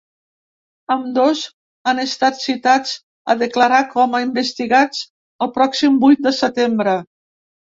Ambdós han estat citats a declarar com a investigats el pròxim vuit de setembre.